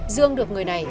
dương được người này